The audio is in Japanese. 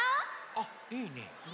あいいね！